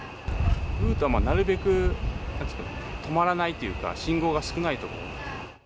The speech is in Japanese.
ルートはなるべく、なんというんですか、止まらないというか信号が少ない所。